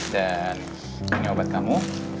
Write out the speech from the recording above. dan ini obat kamu